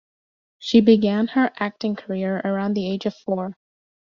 She began her acting career around the age of four.